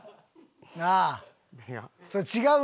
なあ。